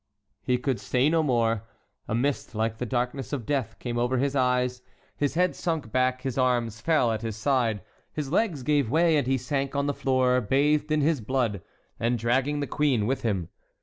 He could say no more. A mist like the darkness of death came over his eyes, his head sunk back, his arms fell at his side, his legs gave way, and he sank on the floor, bathed in his blood, and dragging the queen with him.